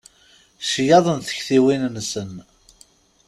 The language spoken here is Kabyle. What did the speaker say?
Ccyaḍ n tektiwin-nsen.